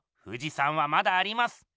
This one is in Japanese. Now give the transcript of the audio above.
富士山はまだあります。